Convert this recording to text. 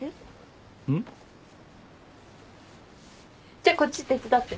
じゃあこっち手伝って。